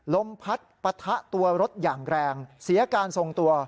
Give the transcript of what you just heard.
ลมพัดปะทะตัวรถอย่างแรงเสียการทรงตัว